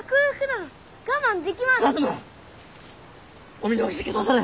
お見逃しくだされ。